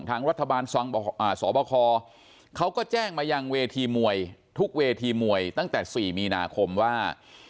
รัฐบาลฟังสบคเขาก็แจ้งมายังเวทีมวยทุกเวทีมวยตั้งแต่๔มีนาคมว่า